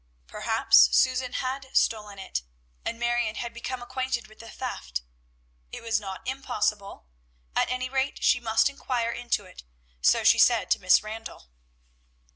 Perhaps Susan had stolen it, and Marion had become acquainted with the theft. It was not impossible, at any rate she must inquire into it, so she said to Miss Randall.